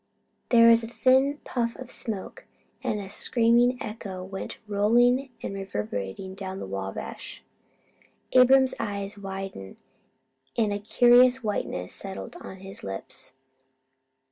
There was a thin puff of smoke, and a screaming echo went rolling and reverberating down the Wabash. Abram's eyes widened, and a curious whiteness settled on his lips.